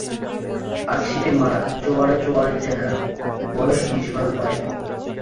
পাকশিটে-মারা চোয়াড়ে-চোয়াড়ে চেহারা, বয়স বুঝিবার উপায় নাই।